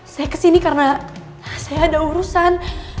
saya kesini karena saya ada urusan